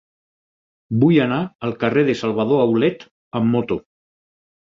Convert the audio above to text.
Vull anar al carrer de Salvador Aulet amb moto.